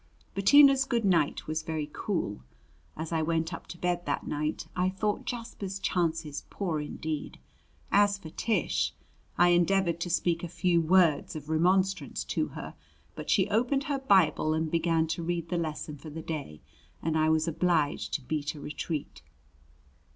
Bettina's good night was very cool. As I went up to bed that night, I thought Jasper's chances poor indeed. As for Tish, I endeavored to speak a few word of remonstrance to her, but she opened her Bible and began to read the lesson for the day and I was obliged to beat a retreat.